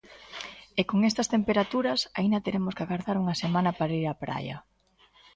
E con estas temperaturas, aínda teremos que agardar unha semana para ir á praia.